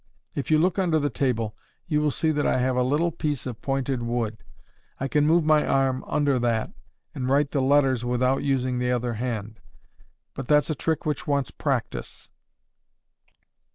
If you look under the table, you will see that I have a little piece of pointed wood. I can move my arm under that and write the letters without using the other hand. But that's a trick which wants practice."